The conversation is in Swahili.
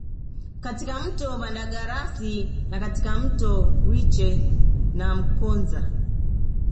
Katika mto Malagarasi na katika mto Rwiche na Mkoza